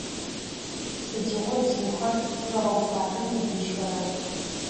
Сыдигъо бзыухэр хэгъэгу фабэхэм быбыжьхэра?